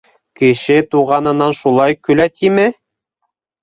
- Кеше туғанынан шулай көлә тиме?!